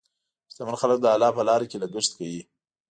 شتمن خلک د الله په لاره کې لګښت کوي.